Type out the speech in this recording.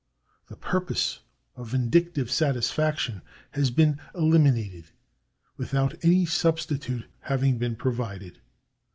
The purpose of vindictive satis faction has been eliminated without any substitute having been provided.